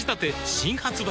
新発売